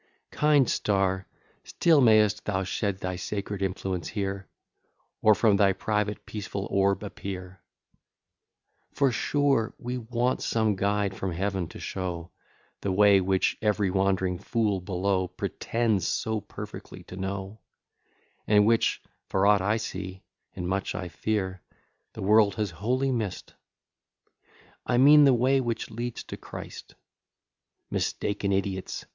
VIII Kind star, still may'st thou shed thy sacred influence here, Or from thy private peaceful orb appear; For, sure, we want some guide from Heaven, to show The way which every wand'ring fool below Pretends so perfectly to know; And which, for aught I see, and much I fear, The world has wholly miss'd; I mean the way which leads to Christ: Mistaken idiots!